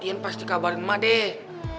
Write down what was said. ian pasti kabarin mak deh